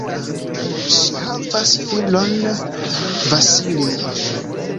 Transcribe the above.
Ŝi havas filon "Vasilij".